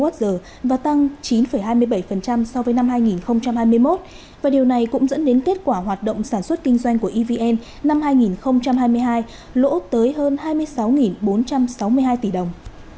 một giờ và tăng chín hai mươi bảy so với năm hai nghìn hai mươi một và điều này cũng dẫn đến kết quả hoạt động sản xuất kinh doanh của evn năm hai nghìn hai mươi hai lỗ tới hơn hai mươi sáu bốn trăm sáu mươi hai tỷ đồng